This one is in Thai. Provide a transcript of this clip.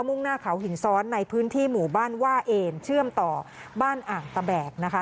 ่งหน้าเขาหินซ้อนในพื้นที่หมู่บ้านว่าเอนเชื่อมต่อบ้านอ่างตะแบกนะคะ